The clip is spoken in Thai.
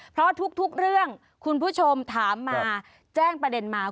เพราะทุกเรื่องคุณผู้ชมถามมาแจ้งประเด็นมา